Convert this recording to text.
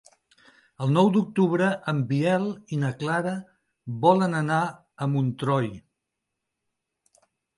El nou d'octubre en Biel i na Clara volen anar a Montroi.